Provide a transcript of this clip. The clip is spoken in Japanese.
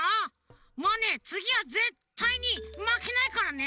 もうねつぎはぜったいにまけないからね！